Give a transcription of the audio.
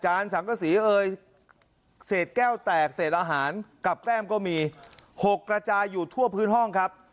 จานสามก็ใส่แก้วแตกเสียดอาหารกับใก้มก็มีหกกระจายอยู่ทั่วพื้นห้องครับ